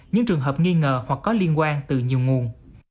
những trường hợp nghi ngờ hoặc có liên quan từ nhiều nguồn